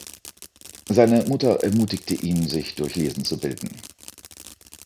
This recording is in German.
Seine Mutter ermutigte ihn, sich durch Lesen zu bilden.